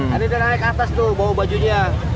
nah ini dia naik ke atas tuh bawa bajunya